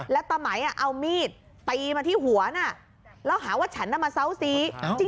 และตะไหมเอามีดตีมาที่หัวแล้วหาว่าฉันมาเศร้าซี